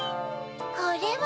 これは。